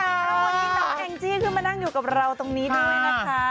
วันนี้น้องแองจี้ขึ้นมานั่งอยู่กับเราตรงนี้ด้วยนะคะ